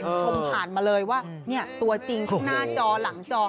ชมผ่านมาเลยว่าเนี่ยตัวจริงที่หน้าจอหลังจอ